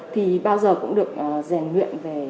thì bao giờ cũng được rèn luyện về